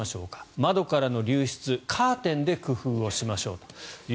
窓からの流出カーテンで工夫をしましょうと。